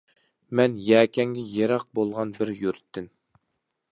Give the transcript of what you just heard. مەن يەكەنگە يىراق بولغان بىر يۇرتتىن.